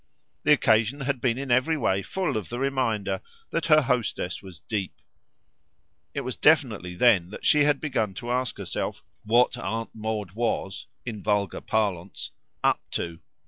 The occasion had been in every way full of the reminder that her hostess was deep: it was definitely then that she had begun to ask herself what Aunt Maud was, in vulgar parlance, "up to."